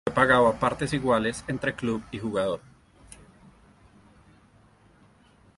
El coste de la sanción fue pagado a partes iguales entre club y jugador.